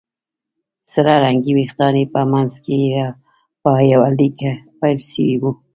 سره رنګي وېښتان یې په منځ کې په يوه ليکه بېل شوي وو